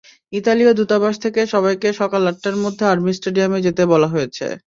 ইতালীয় দূতাবাস থেকে সবাইকে সকাল আটটার মধ্যে আর্মি স্টেডিয়ামে যেতে বলা হয়েছে।